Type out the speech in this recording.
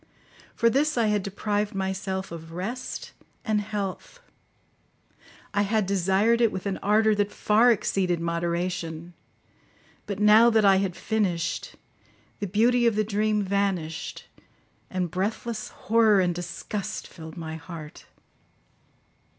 For this I had deprived myself of rest and health. I had desired it with an ardour that far exceeded moderation; but now that I had finished, the beauty of the dream vanished, and breathless horror and disgust filled my heart.